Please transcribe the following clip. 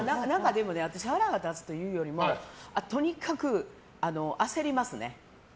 腹が立つっていうよりもとにかく焦りますね。